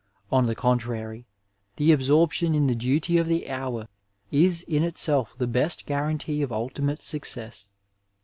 On the contrary, the absorption in the duty of the hour is in itself the best guarantee of ultimate success.